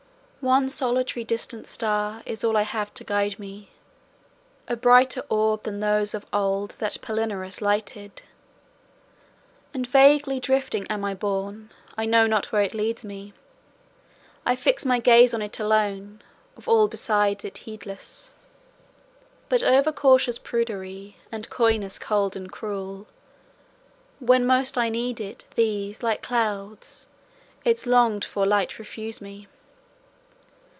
One solitary distant star Is all I have to guide me, A brighter orb than those of old That Palinurus lighted. And vaguely drifting am I borne, I know not where it leads me; I fix my gaze on it alone, Of all beside it heedless. But over cautious prudery, And coyness cold and cruel, When most I need it, these, like clouds, Its longed for light refuse me.